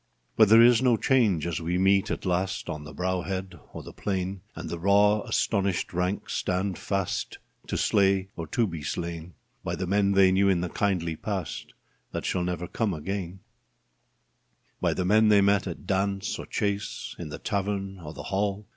But there is no change as we meet at last On the brow head or the plain, And the raw astonished ranks stand fast To slay or to be slain By the men they knew in the kindly past That shall never come again — By the men they met at dance or chase, In the tavern or the hall.